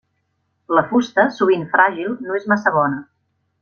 La fusta, sovint fràgil, no és massa bona.